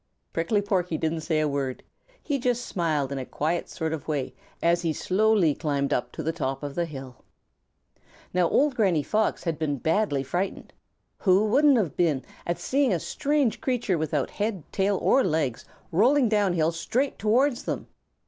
Prickly Porky didn't say a word. He just smiled in a quiet sort of way as he slowly climbed up to the top of the hill. Now old Granny Fox had been badly frightened. Who wouldn't have been at seeing a strange creature without head, tail, or legs rolling down hill straight towards them?